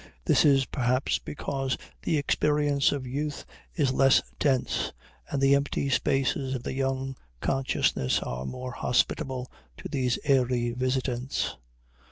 This is perhaps because the experience of youth is less dense, and the empty spaces of the young consciousness are more hospitable to these airy visitants.